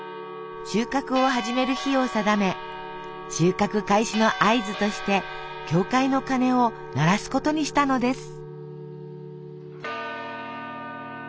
収穫を始める日を定め収穫開始の合図として教会の鐘を鳴らすことにしたのです。